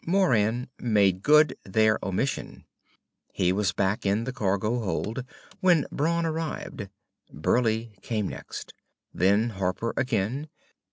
Moran made good their omission. He was back in the cargo hold when Brawn arrived. Burleigh came next. Then Harper again.